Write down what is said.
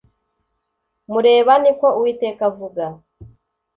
mureba Ni ko Uwiteka avuga